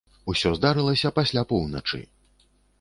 Усё здарылася пасля поўначы.